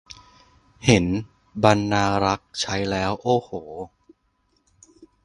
เห็นบรรณารักษ์ใช้แล้ว โอ้โห